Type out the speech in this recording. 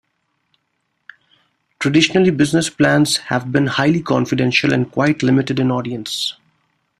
Traditionally business plans have been highly confidential and quite limited in audience.